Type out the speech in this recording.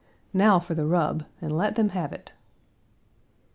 Now for the rub, and let them have it!"